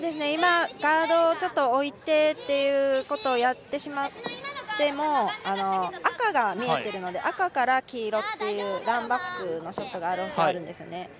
ガードをちょっと置いてということをやってしまっても赤が見えているので赤から黄色っていうランバックのショットがあるんですね。